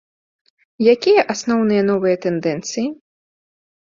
Якія асноўныя новыя тэндэнцыі?